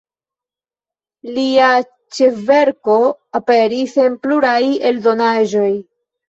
Lia ĉefverko aperis en pluraj eldonaĵoj.